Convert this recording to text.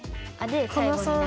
で最後に。